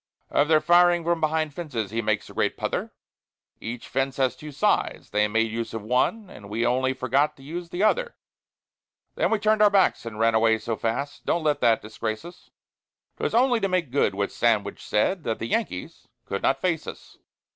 '" Of their firing from behind fences he makes a great pother; Every fence has two sides, they made use of one, and we only forgot to use the other; Then we turned our backs and ran away so fast; don't let that disgrace us, 'Twas only to make good what Sandwich said, that the Yankees could not face us.